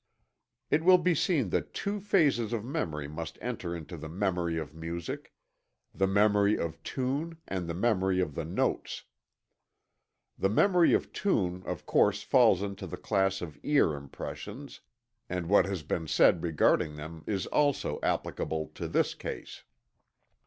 It will be seen that two phases of memory must enter into the "memory of music" the memory of tune and the memory of the notes. The memory of tune of course falls into the class of ear impressions, and what has been said regarding them is also applicable to this case.